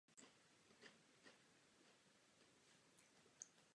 Pracuje také jako zastupitel Domažlic a Plzeňského kraje.